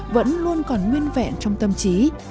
vẫn luôn còn nguyên vẹn trong tâm trí